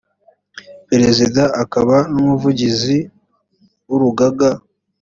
perezida akaba n umuvugizi w urugaga